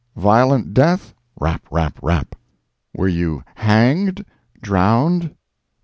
—violent death?—" "Rap, rap, rap." "Were you hanged?—drowned?